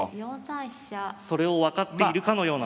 それを分かっているかのような。